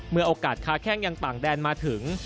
โอกาสค้าแข้งยังต่างแดนมาถึง